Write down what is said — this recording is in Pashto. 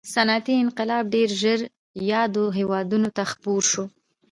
صنعتي انقلاب ډېر ژر یادو هېوادونو ته خپور شو.